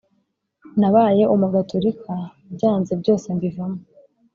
Nabaye umugatorika byanze byose mbivamo